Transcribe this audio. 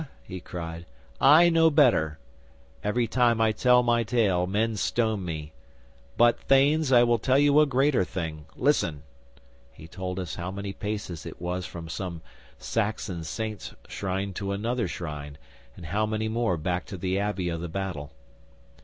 he cried. "I know better. Every time I tell my tale men stone me. But, Thanes, I will tell you a greater thing. Listen!" He told us how many paces it was from some Saxon Saint's shrine to another shrine, and how many more back to the Abbey of the Battle.